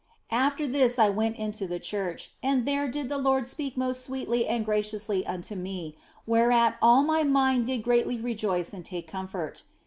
After this I went into the church, and there did the Lord speak most sweetly and graciously unto me, whereat all my mind did greatly rejoice and take comfort.